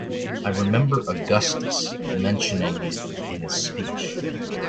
I remember Augustus mentioning it in his speech.